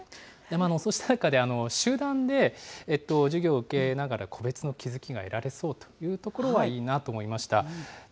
そうした中で、集団で授業を受けながら個別の気付きが得られそうというのはいいなと思いました。